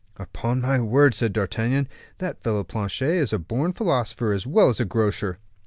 "Upon my word," said D'Artagnan, "that fellow Planchet is born a philosopher as well as a grocer."